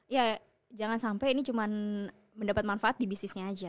ya jangan sampai ini cuma mendapat manfaat di bisnisnya aja